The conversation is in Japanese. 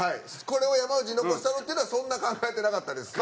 これを山内に残したのっていうのはそんな考えてなかったです。